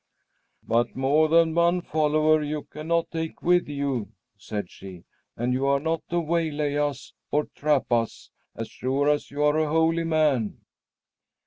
"But more than one follower you cannot take with you," said she, "and you are not to waylay us or trap us, as sure as you are a holy man."